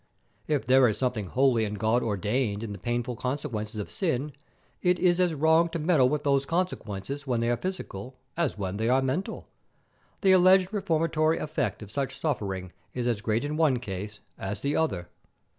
If there is something holy and God ordained in the painful consequences of sin, it is as wrong to meddle with those consequences when they are physical as when they are mental. The alleged reformatory effect of such suffering is as great in one case as the other.